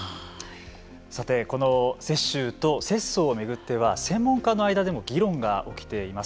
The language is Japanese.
さて、この雪舟と拙宗を巡っては専門家の間でも議論が起きています。